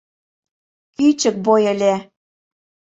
Кӱчык бой ыле.